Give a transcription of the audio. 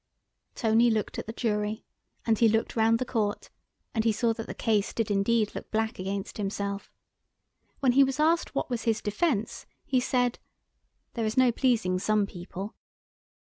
Tony looked at the Jury and he looked round the Court, and he saw that the case did indeed look black against himself. When he was asked what was his defence, he said— "There is no pleasing some people."